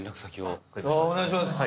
お願いします。